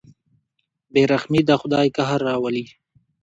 بېرحمي د خدای قهر راولي.